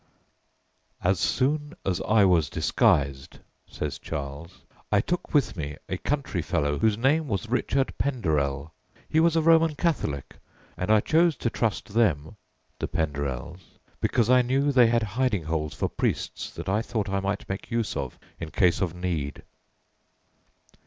"As soon as I was disguised," says Charles, "I took with me a country fellow whose name was Richard Penderell.... He was a Roman Catholic, and I chose to trust them [the Penderells] because I knew they had hiding holes for priests that I thought I might make use of in case of need."